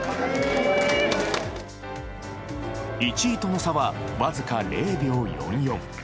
１位との差は僅か０秒４４。